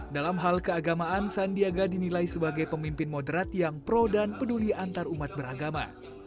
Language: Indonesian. dalam hal keagamaan sandiaga dinilai sebagai pemimpin moderat yang pro dan peduli antarumat beragama